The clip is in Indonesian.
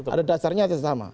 ada dasarnya ada yang sama